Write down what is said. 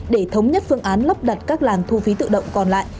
để thống nhất phương án lắp đặt các làn thu phí tự động còn lại